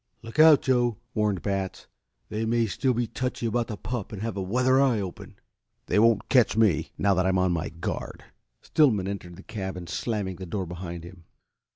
"Look out, Joe!" warned Batts. "They may still be touchy about the pup and have a weather eye open." "They won't catch me, now that I'm on my guard." Stillman entered the cabin, slamming the door behind him.